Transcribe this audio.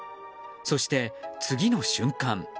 そして、次の瞬間。